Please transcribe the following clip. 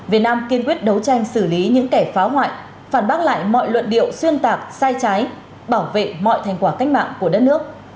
việt nam kiên quyết đấu tranh xử lý những kẻ phá hoại phản bác lại mọi luận điệu xuyên tạc sai trái bảo vệ mọi thành quả cách mạng của đất nước